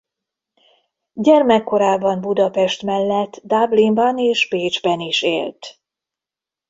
Gyermekkorában Budapest mellett Dublinban és Bécsben is élt.